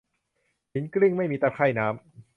หินกลิ้งไม่มีตะไคร่น้ำ